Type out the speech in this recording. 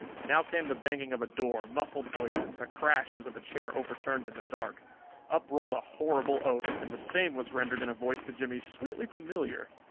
Now came the banging of a door, muffled voices, a crash as of a chair overturned in the dark. Up rolled a horrible oath, and the same was rendered in a voice to Jimmie sweetly familiar.